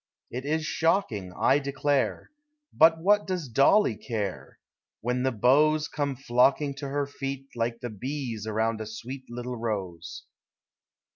It is shocking. I declare! Hut what docs Dollie care ■ When the beaux Come Hocking to her feet Like the bees around a sweet Little rose!